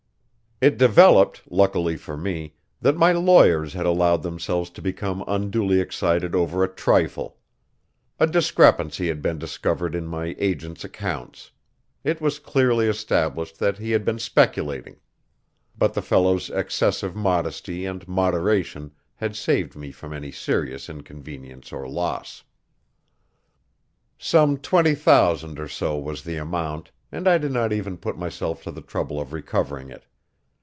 It developed, luckily for me, that my lawyers had allowed themselves to become unduly excited over a trifle. A discrepancy had been discovered in my agent's accounts; it was clearly established that he had been speculating; but the fellow's excessive modesty and moderation had saved me from any serious inconvenience or loss. Some twenty thousand or so was the amount, and I did not even put myself to the trouble of recovering it.